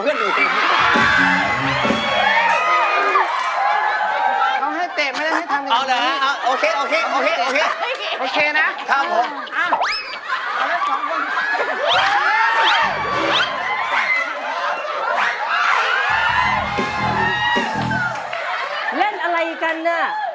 นี่คอนแกนหนูก็เล่นกับเพื่อนหนู